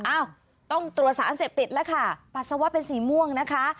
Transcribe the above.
อ้าวต้องตรวจสารเสพติดแล้วค่ะปัสสาวะเป็นสีม่วงนะคะ